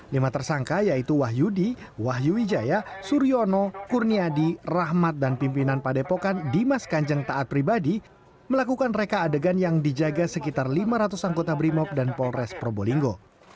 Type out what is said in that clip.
lima tersangka yaitu wahyudi wahyu wijaya suryono kurniadi rahmat dan pimpinan padepokan dimas kanjeng taat pribadi melakukan reka adegan yang dijaga sekitar lima ratus anggota brimop dan polres probolinggo